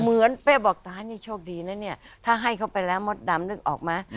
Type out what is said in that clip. เป้บอกตานี่โชคดีนะเนี่ยถ้าให้เขาไปแล้วมดดำนึกออกไหม